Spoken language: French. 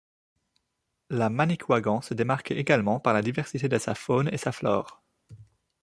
La Manicouagan se démarque également par la diversité de sa faune et sa flore.